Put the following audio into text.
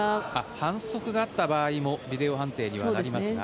反則があった場合もビデオ判定にはなりますが。